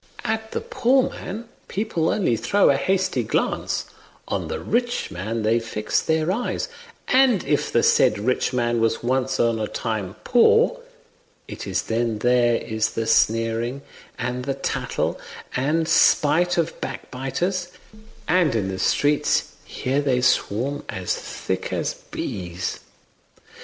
At the poor man people only throw a hasty glance; on the rich man they fix their eyes; and if the said rich man was once on a time poor, it is then there is the sneering and the tattle and spite of backbiters; and in the streets here they swarm as thick as bees."